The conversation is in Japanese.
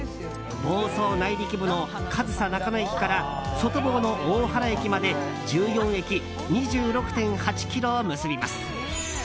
房総内陸部の上総中野駅から外房の大原駅まで１４駅２６．８ｋｍを結びます。